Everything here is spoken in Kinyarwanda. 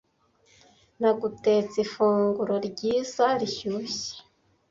Nagutetse ifunguro ryiza rishyushye.